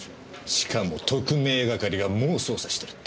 しかも特命係がもう捜査してるって。